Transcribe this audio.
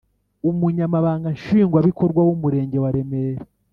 Umunyamabanga Nshingwabikorwa w’Umurenge wa Remera